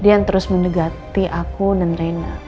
dia yang terus mendekati aku dan reina